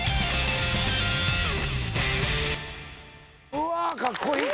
うわかっこいい！